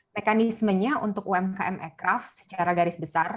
mekanismenya untuk umkm aircraft secara garis besar